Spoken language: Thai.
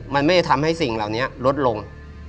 มันไม่ได้ทำให้สิ่งเหล่านี้ลดลง